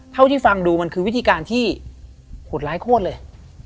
ที่ฟังมันคือวิธีการโหดร้ายโคตรเลย